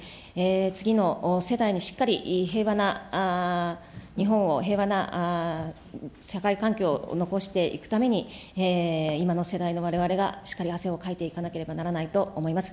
次の世代にしっかり平和な日本を、平和な社会環境を残していくために、今の世代のわれわれがしっかり汗をかいていかなければならないと思います。